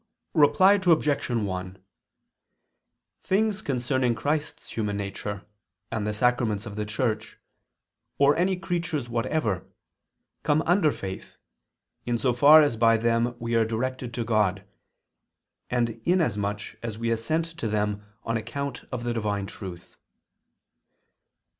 Reply Obj. 1: Things concerning Christ's human nature, and the sacraments of the Church, or any creatures whatever, come under faith, in so far as by them we are directed to God, and in as much as we assent to them on account of the Divine Truth.